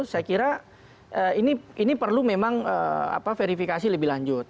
saya kira ini perlu memang verifikasi lebih lanjut